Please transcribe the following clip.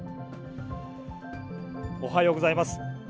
おはようございます。